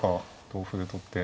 同歩で取って。